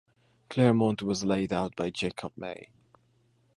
Claremont was laid out by Jacob May.